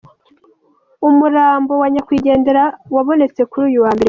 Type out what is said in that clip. Umurambo wa nyakwigendera wabonetse kuri uyu wa Mbere.